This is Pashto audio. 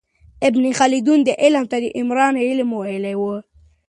ابن خلدون دې علم ته د عمران علم ویلی و.